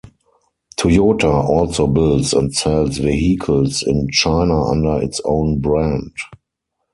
Toyota also builds and sells vehicles in China under its own brand.